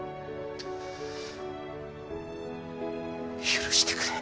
許してくれ。